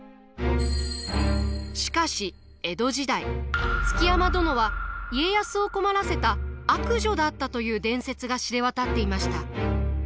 しかし江戸時代築山殿は家康を困らせた悪女だったという伝説が知れ渡っていました。